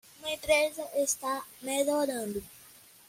Uma empresa está melhorando